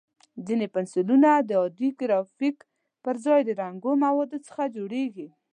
ځینې پنسلونه د عادي ګرافیت پر ځای د رنګینو موادو څخه جوړېږي.